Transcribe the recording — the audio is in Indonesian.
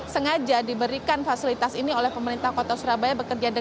sengaja diberikan fasilitas ini oleh pemerintah kota surabaya